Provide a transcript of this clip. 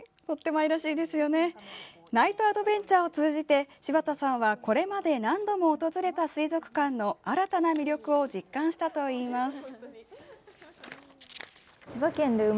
ナイトアドベンチャーを通じて、柴田さんはこれまで何度も訪れた水族館の新たな魅力を実感したといいます。